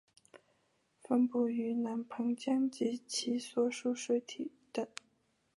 分布于南盘江及其所属水体等。